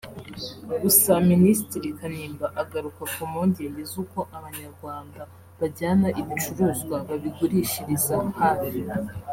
Gusa Minisitiri Kanimba agaruka ku mpungenge z’uko Abanyarwanda bajyana ibicuruzwa babigurishiriza hafi